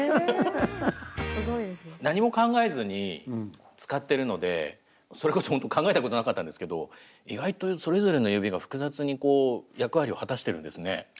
何も考えずに使ってるのでそれこそほんと考えたことなかったんですけど意外とそれぞれの指が複雑に役割を果たしてるんですね。